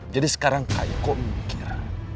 jadi sekarang kaya kau minggir